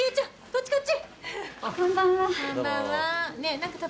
こっちこっち。